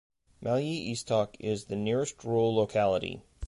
Maly Istok is the nearest rural locality.